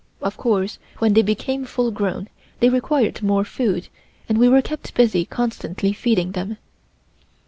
Of course when they became full grown they required more food and we were kept busy constantly feeding them.